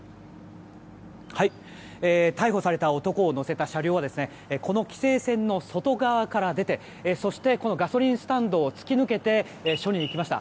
逮捕された男を乗せた車両はこの規制線の外側から出てそしてガソリンスタンドを突き抜けて署に行きました。